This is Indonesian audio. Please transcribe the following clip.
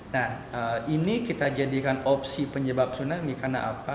nah ini kita jadikan opsi penyebab tsunami karena apa